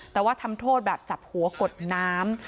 แต่ว่าทำโทษแบบจับหัวกดน้ำ